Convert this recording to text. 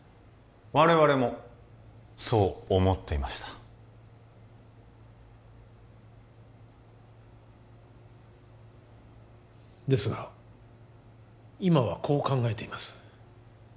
我々もそう思っていましたですが今はこう考えています